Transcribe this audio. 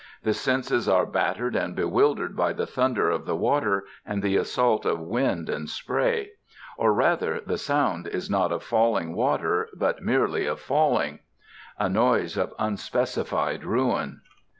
The senses are battered and bewildered by the thunder of the water and the assault of wind and spray; or rather, the sound is not of falling water, but merely of falling; a noise of unspecified ruin.